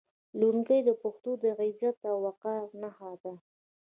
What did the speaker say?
لونګۍ د پښتنو د عزت او وقار نښه ده.